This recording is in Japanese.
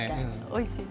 おいしい？